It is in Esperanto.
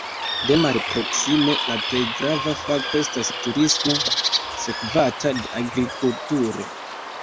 De malproksime la plej grava fako estas turismo, sekvata de agrikulturo.